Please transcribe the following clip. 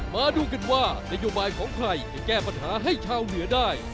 มาดูกันว่านโยบายของใครจะแก้ปัญหาให้ชาวเหนือได้